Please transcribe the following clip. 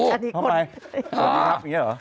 เพราะเปล่านี้ครับอย่างนี้หรอ